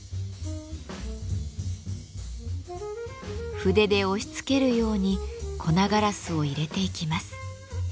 筆で押しつけるように粉ガラスを入れていきます。